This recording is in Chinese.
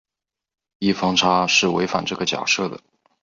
异方差是违反这个假设的。